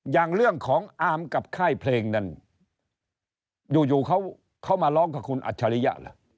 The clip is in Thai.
อย่างเรื่องของอาร์มกับค่ายเพลงนั้นอยู่อยู่เขาเข้ามาร้องกับคุณอาจริยะเหรอ